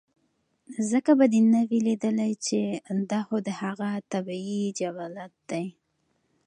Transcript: ځکه به دې نۀ وي ليدلے چې دا خو د هغه طبعي جبلت دے